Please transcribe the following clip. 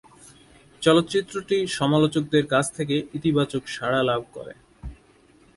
চলচ্চিত্রটি সমালোচকদের কাছ থেকে ইতিবাচক সাড়া লাভ করে।